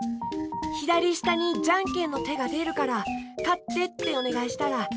ひだりしたにじゃんけんのてがでるからかってっておねがいしたらかつてを。